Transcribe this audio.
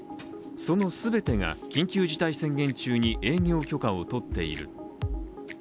その全て緊急自体宣言中に営業許可をとっている。